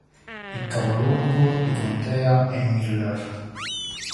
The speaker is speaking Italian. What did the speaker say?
Il capoluogo di contea è Miller.